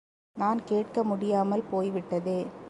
நான் கேட்க முடியாமல் போய்விட்டதே!